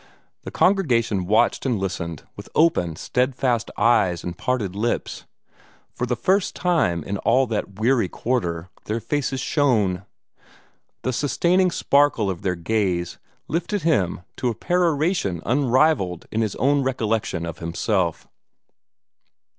The congregation watched and listened with open, steadfast eyes and parted lips. For the first time in all that weary quarter, their faces shone. The sustaining sparkle of their gaze lifted him to a peroration unrivalled in his own recollection of himself.